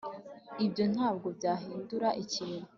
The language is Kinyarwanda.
ibyo ntabwo byahindura ikintu